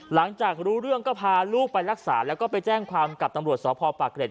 หลังจากรู้เรื่องก็พาลูกไปรักษาแล้วก็ไปแจ้งความกับตำรวจสพปากเกร็ด